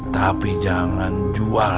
tapi jangan jualnya